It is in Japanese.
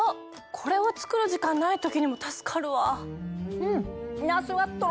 これは作る時間ない時にも助かるわ。